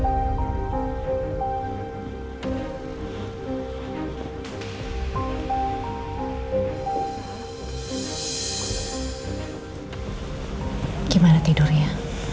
hai gimana tidur ya